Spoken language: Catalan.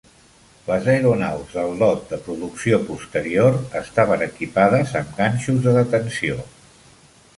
Les aeronaus del lot de producció posterior estaven equipades amb ganxos de detenció.